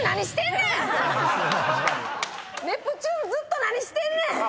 ネプチューンずっと何してんねん！